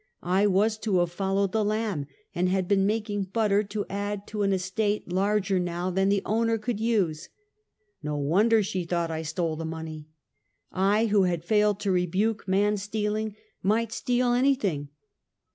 I was to have fol lowed the Lamb, and had been making butter to add to an estate larger now than the owner could use. 'No wonder she thought I stole the money. I, who had failed to rebuke man stealing, might steal anything.